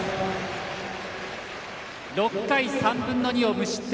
６回３分の２を無失点。